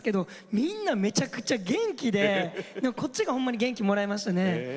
みんなめちゃくちゃ元気でこっちが元気をもらいました。